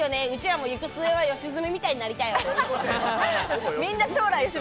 うちらも行く末は良純みたいになりたいよ。